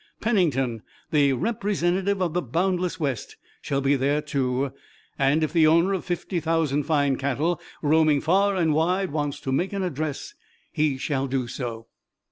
Pennington, the representative of the boundless West, shall be there too, and if the owner of fifty thousand fine cattle roaming far and wide wants to make an address he shall do so."